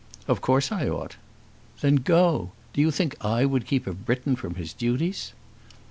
"Of course I ought." "Then go. Do you think I would keep a Briton from his duties?"